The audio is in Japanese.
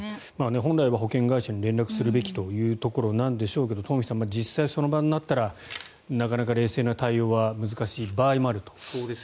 本来は保険会社に連絡するべきというところなんでしょうけど東輝さん、実際その場になったらなかなか冷静な対応は難しい場合もあると。